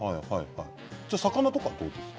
魚とかどうですか？